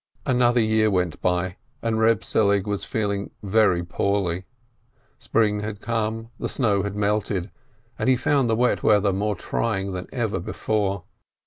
Another year went by, and Eeb Selig was feeling very poorly. Spring had come, the snow had melted, and he found the wet weather more trying than ever before.